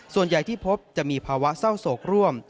ส่วนใหญ่ที่พบจะมีภาวะเศร้าโศกร่วม